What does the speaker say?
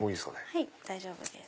はい大丈夫です。